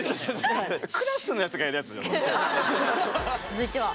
続いては。